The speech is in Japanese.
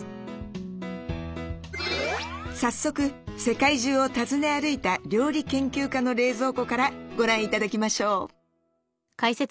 早速世界中を訪ね歩いた料理研究家の冷蔵庫からご覧頂きましょう。